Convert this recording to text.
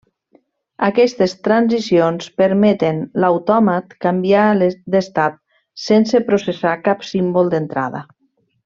Aquestes transicions permeten l'autòmat canviar d'estat sense processar cap símbol d'entrada.